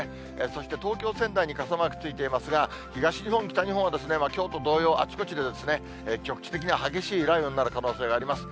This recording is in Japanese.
そして東京、仙台に傘マークついていますが、東日本、北日本は、きょうと同様、あちこちで局地的に激しい雷雨になる可能性があります。